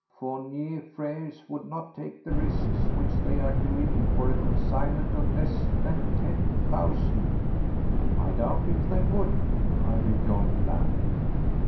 "Fournier Frères would not take the risks which they are doing for a consignment of less than ten thousand." "I doubt if they would," I rejoined blandly.